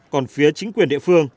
còn phía chính quyền địa phương